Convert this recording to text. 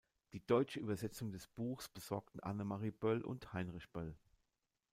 Die deutsche Übersetzung des Buchs besorgten Annemarie Böll und Heinrich Böll.